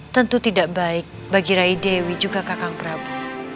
tentu tidak baik bagi rai dewi juga kakang prabu